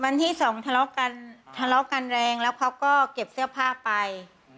วันที่สองทะเลาะกันทะเลาะกันแรงแล้วเขาก็เก็บเสื้อผ้าไป